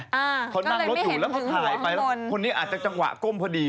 อ้าวก็เลยไม่เห็นถึงหัวข้างบนเขาถ่ายไปแล้วคนนี้อาจจะจังหวะก้มพอดี